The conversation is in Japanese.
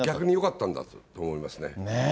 逆によかったんだと思いますね。